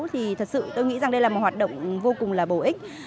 thật sự tôi nghĩ đây là một hoạt động vô cùng là bổ ích